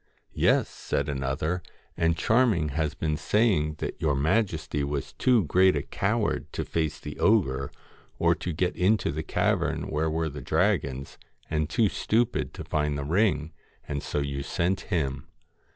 * Yes,' said another ;' and Charming has been say ing that your majesty was too great a coward to face the ogre, or to get into the cavern where were the dragons, and too stupid to find the ring, and so you sent him.'